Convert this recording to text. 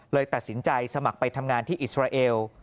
ตัดสินใจสมัครไปทำงานที่อิสราเอล